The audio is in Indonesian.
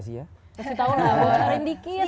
kasih tau lah bocorin dikit